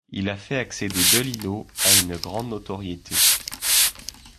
Il a fait accéder DeLillo à une grande notoriété.